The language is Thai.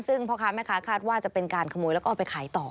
ซึ่งพ่อค้าแม่ค้าคาดว่าจะเป็นการขโมยแล้วก็เอาไปขายต่อ